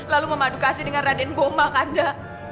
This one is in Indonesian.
lalu memadu kasih dengan raden boma kanda